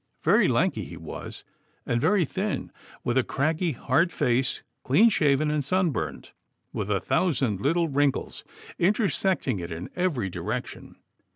Very lanky he was and very thin, with a craggy hard face, clean shaven and sunburned, with a thousand little wrinkles intersecting it in every direction.